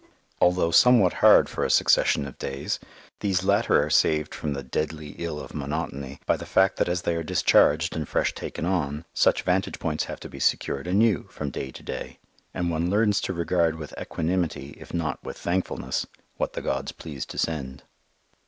Although somewhat hard for a succession of days, these latter are saved from the deadly ill of monotony by the fact that as they are discharged and fresh taken on, such vantage points have to be secured anew from day to day; and one learns to regard with equanimity if not with thankfulness what the gods please to send.